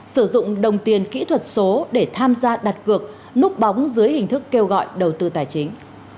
sử dụng đồng tiền kỹ thuật số để tham gia đặt cược núp bóng dưới hình thức kêu gọi đầu tư tài chính